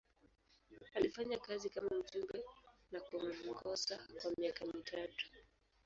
Alifanya kazi kama mjumbe na kuongoza kwa miaka mitatu.